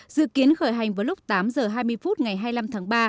đại hành với lúc tám h hai mươi phút ngày hai mươi năm tháng ba